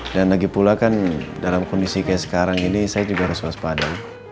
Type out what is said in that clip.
dan lagi pula kan dalam kondisi kayak sekarang ini saya juga harus waspada